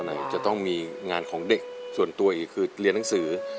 ไหนจะต้องมีงานของเด็กส่วนตัวอีกคือเรียนหนังสือ